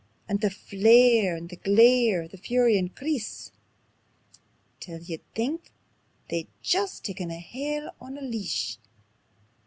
And the flare and the glare and the fury increase, Till you'd think they'd jist taken a' hell on a lease.